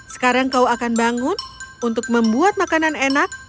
sekarang kau akan bangun untuk membuat makanan enak